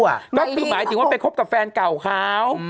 ก็คือหมายถึงว่าไปคบกับแฟนเก่าเขา